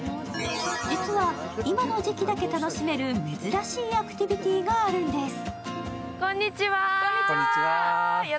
実は、今の時期だけ楽しめる珍しいアクティビティーがあるんです。